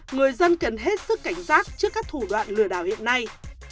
người dân cần hết sức cảnh giác trước các thủ đoạn lừa đảo hiện nay